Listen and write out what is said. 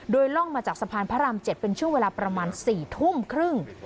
โดยล่องมาจากสะพานพระราม๗เป็นช่วงเวลาประมาณ๔ทุ่มครึ่ง